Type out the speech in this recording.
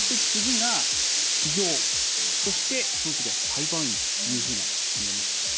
次が起業、そして、その次が裁判員というふうな順番でした。